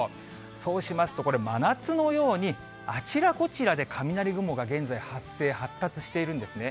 そうしますとこれ、真夏のようにあちらこちらで雷雲が現在、発生、発達しているんですね。